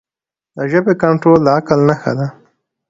د ژبې کنټرول د عقل نښه ده.